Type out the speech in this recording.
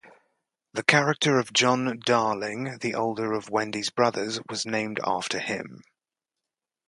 The character of John Darling, the older of Wendy's brothers, was named after him.